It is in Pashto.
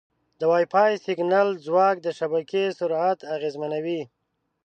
د وائی فای سیګنال ځواک د شبکې سرعت اغېزمنوي.